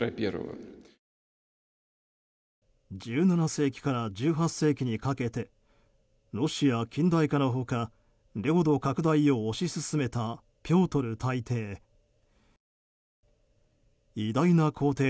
１７世紀から１８世紀にかけてロシア近代化の他領土拡大を推し進めたピョートル大帝。